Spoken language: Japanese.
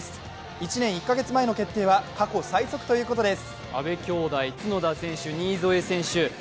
１年１か月前の決定は過去最速ということです。